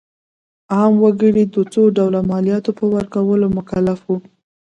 عام وګړي د څو ډوله مالیاتو په ورکولو مکلف وو.